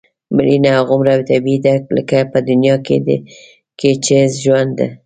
مړینه هغومره طبیعي ده لکه په دې دنیا کې چې ژوند.